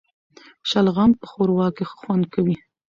شلغم په ښوروا کي ښه خوند کوي